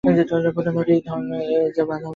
প্রধান নদীতে ধর্নোয় বাঁধ অবস্থিত।